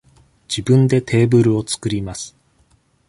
自分でテーブルを作ります。